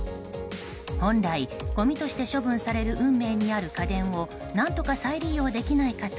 本来、ごみとして処分される運命にある家電を何とか再利用できないかと